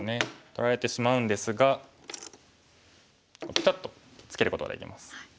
取られてしまうんですがピタッとツケることができます。